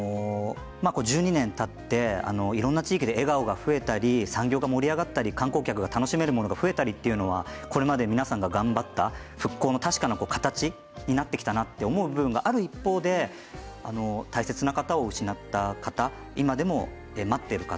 １２年たっていろんな地域で笑顔が増えたり産業が盛り上がったり観光客が楽しめるものが増えたり、これまで皆さんが頑張った復興の確かな形になってきたなと思う部分がある一方で大切な方を失った方今でも待っている方